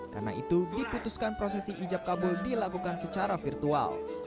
karena itu diputuskan prosesi ijab kabul dilakukan secara virtual